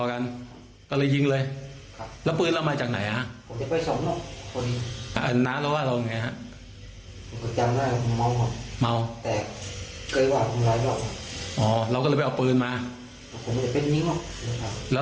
แล้วที่เอาปืนที่เรายิงรุงไปเลยอ่ะ